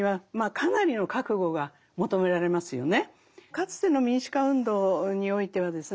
かつての民主化運動においてはですね